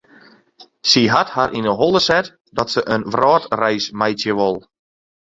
Sy hat har yn 'e holle set dat se in wrâldreis meitsje wol.